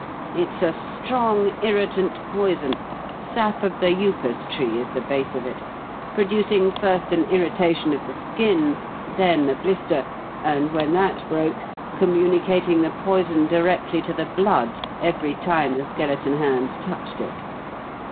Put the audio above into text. It's a strong, irritant poison sap of the upas tree is the base of it producing first an irritation of the skin, then a blister, and, when that broke, communicating the poison directly to the blood every time the skeleton hand touched it.